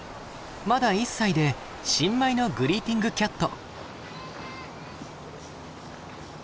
まだ１歳で新米のグリーティングキャット。